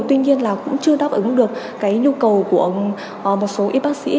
tuy nhiên là cũng chưa đáp ứng được cái nhu cầu của một số y bác sĩ